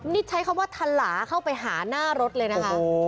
นี่ใช้คำว่าทะลาเข้าไปหาหน้ารถเลยนะคะ